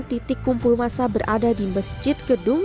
titik kumpul masa berada di masjid gedung